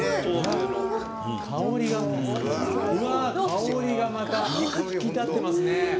香りがまた引き立ってますね！